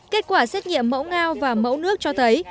kết quả xét nghiệm mẫu ngao và mẫu nước cho thấy